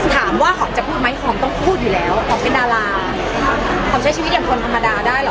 ถามว่าหอมจะพูดไหมหอมต้องพูดอยู่แล้วหอมเป็นดาราหอมใช้ชีวิตอย่างคนธรรมดาได้เหรอ